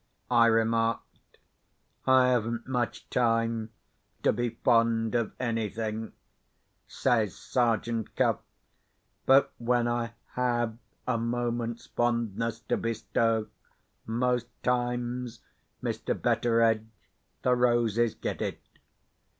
I remarked. "I haven't much time to be fond of anything," says Sergeant Cuff. "But when I have a moment's fondness to bestow, most times, Mr. Betteredge, the roses get it.